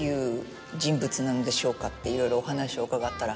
いろいろお話を伺ったら。